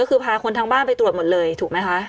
ก็คือพาคนทางบ้านไปตรวจหมดเลยถูกไหมคะ